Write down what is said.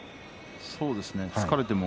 そうですね。